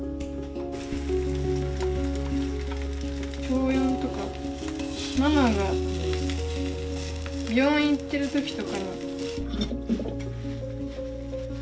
小４とかママが病院行ってる時とかに。